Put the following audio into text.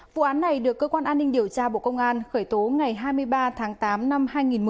vụ án này được cơ quan an ninh điều tra bộ công an khởi tố ngày hai mươi ba tháng tám năm hai nghìn một mươi